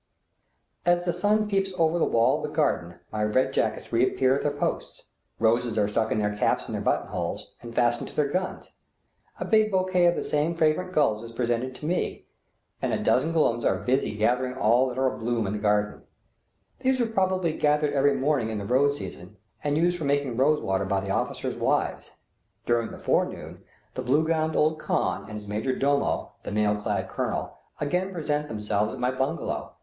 As the sun peeps over the wall of the garden my red jackets reappear at their post; roses are stuck in their caps' and their buttonholes, and fastened to their guns. A big bouquet of the same fragrant "guls" is presented to me, and a dozen gholams are busy gathering all that are abloom in the garden. These are probably gathered every morning in the rose season, and used for making rose water by the officers' wives. During the forenoon the blue gowned old khan and his major domo, the mail clad colonel, again present themselves at my bungalow.